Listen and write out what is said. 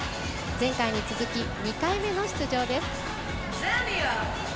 前回に続き、２回目の出場です。